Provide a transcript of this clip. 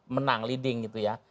menang leading gitu ya